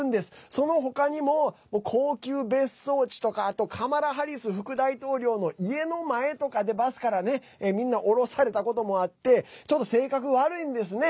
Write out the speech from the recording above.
そのほかにも高級別荘地とかカマラ・ハリス副大統領の家の前とかでバスからねみんな降ろされたこともあってちょっと性格悪いんですね。